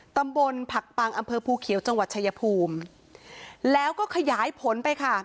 ตำบลผักปังอำเภอภูเขียวจังหวัดชายภูมิแล้วก็ขยายผลไปค่ะ